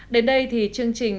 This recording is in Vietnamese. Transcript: đến đây thì chương trình